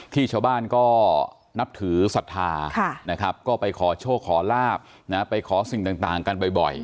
คู่ชาวบ้านก็นับถือสัตว์ธาไปขอช่วงขอลาบไปขอสิ่งต่างกันบ่อย